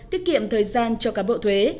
tiết kiệm thời gian cho cán bộ thuế